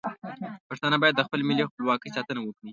پښتانه باید د خپل ملي خپلواکۍ ساتنه وکړي.